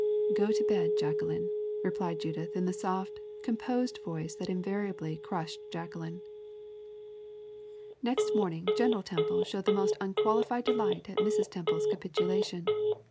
"Go to bed, Jacqueline," replied Judith in the soft, composed voice that invariably crushed Jacqueline. Next morning General Temple showed the most unqualified delight at Mrs. Temple's capitulation.